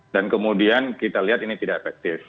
dan kemudian kita lihat ini tidak efektif